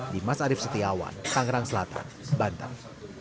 dimas arief setiawan kangrang selatan bantang